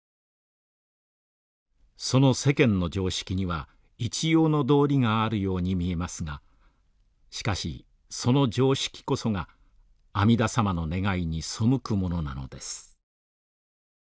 「その世間の常識には一応の道理があるように見えますがしかしその常識こそが阿弥陀さまの願いに背くものなのです」。